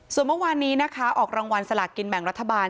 ส่วนเมื่อวานนี้นะคะออกรางวัลสลากกินแบ่งรัฐบาล